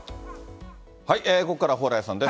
ここからは蓬莱さんです。